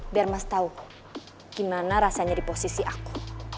biar mas tau gimana rasanya di posisi aku